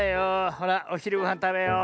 ほらおひるごはんたべよう。